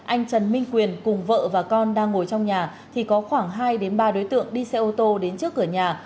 anh trần minh quyền cùng vợ và con đang ngồi trong nhà thì có khoảng hai ba đối tượng đi xe ô tô đến trước cửa nhà